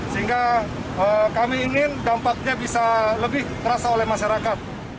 sehingga kami ingin dampaknya bisa lebih terasa oleh masyarakat